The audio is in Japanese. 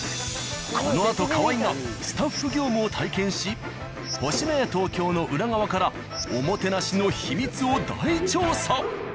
このあと河合がスタッフ業務を体験し「星のや東京」の裏側からおもてなしの秘密を大調査。